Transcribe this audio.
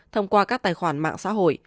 thông qua các tài khoản mạng xã hội